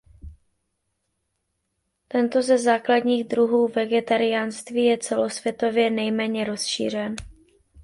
Tento ze základních druhů vegetariánství je celosvětově nejméně rozšířen.